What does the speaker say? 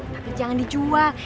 tapi jangan dijual